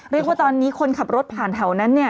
เรียกว่าตอนนี้คนขับรถผ่านแถวนั้นเนี่ย